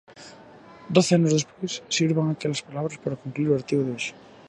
Doce anos despois sirvan aquelas palabras para concluír o artigo de hoxe.